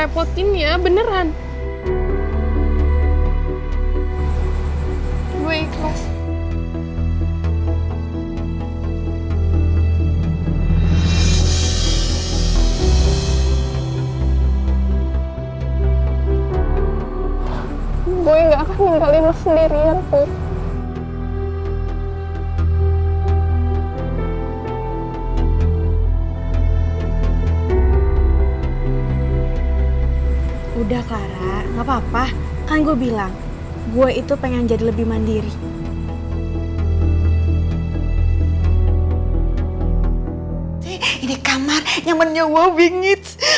pergi pergi apaan enggak enggak enak aja pergi